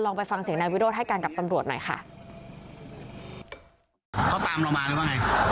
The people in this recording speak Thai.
ไปฟังเสียงนายวิโรธให้การกับตำรวจหน่อยค่ะเขาตามเรามาหรือว่าไง